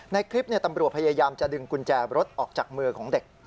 ในคลิปตำรวจพยายามจะดึงกุญแจรถออกจากมือของเด็ก